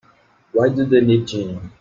Why do they need gin?